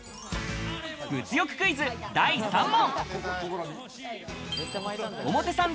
物欲クイズ第３問。